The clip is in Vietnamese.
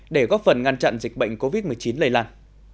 để góp phần ngăn chặn dịch bệnh covid một mươi chín lây lan